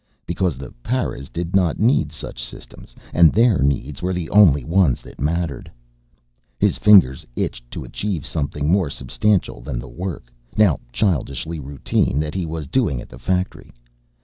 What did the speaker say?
Because the paras did not need such systems and their needs were the only ones that mattered! His fingers itched to achieve something more substantial than the work, now childishly routine, that he was doing at the factory.